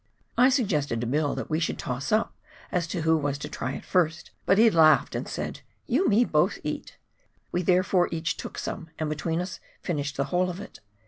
I sug gested to Bill that we should toss up as to who was to try it first, but he laughed and said, " You me both eat !" We there fore each took some, and between us finished the whole of it.